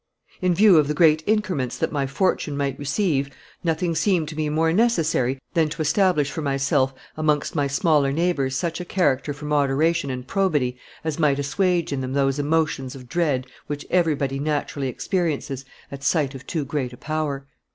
In view of the great increments that my fortune might receive, nothing seemed to me more necessary than to establish for myself amongst my smaller neighbors such a character for moderation and probity as might assuage in them those emotions of dread which everybody naturally experiences at sight of too great a power.